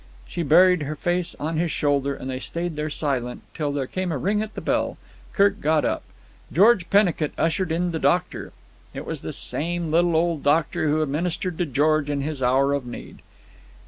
She buried her face on his shoulder, and they stayed there silent, till there came a ring at the bell. Kirk got up. George Pennicut ushered in the doctor. It was the same little old doctor who had ministered to George in his hour of need.